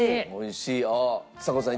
ちさ子さん